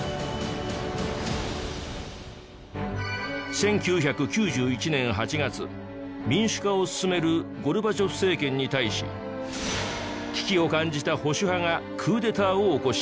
１９９１年８月民主化を進めるゴルバチョフ政権に対し危機を感じた保守派がクーデターを起こした。